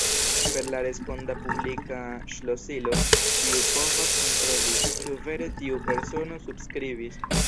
Per la responda publika ŝlosilo ĉiu povas kontroli, ĉu vere tiu persono subskribis.